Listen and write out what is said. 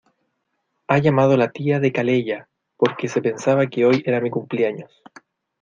Ha llamado la tía de Calella porque se pensaba que hoy era mi cumpleaños.